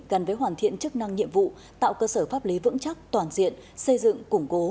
gắn với hoàn thiện chức năng nhiệm vụ tạo cơ sở pháp lý vững chắc toàn diện xây dựng củng cố